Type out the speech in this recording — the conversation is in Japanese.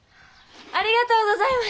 ありがとうございます。